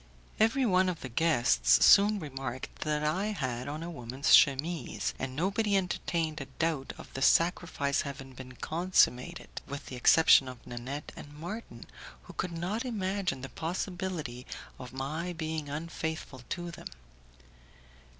Every one of the guests soon remarked that I had on a woman's chemise, and nobody entertained a doubt of the sacrifice having been consummated, with the exception of Nanette and Marton, who could not imagine the possibility of my being unfaithful to them.